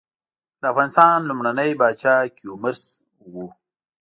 د افغانستان لومړنی پاچا کيومرث وه.